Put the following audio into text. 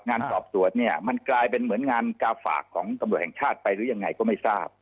งานสอบสวนเนี่ยมันกลายเป็นเหมือนงานกาฝากของตำรวจแห่งชาติไปหรือยังไงก็ไม่ทราบ